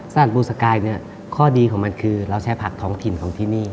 บูสกายเนี่ยข้อดีของมันคือเราใช้ผักท้องถิ่นของที่นี่